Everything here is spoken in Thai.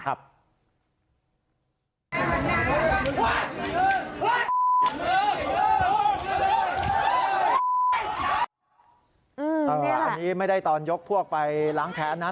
อันนี้ไม่ได้ตอนยกพวกไปล้างแค้นนะ